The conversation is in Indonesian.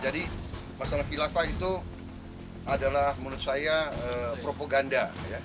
jadi masalah vilafa itu adalah menurut saya propaganda